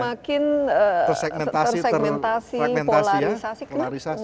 tapi justru semakin tersegmentasi terpolarisasi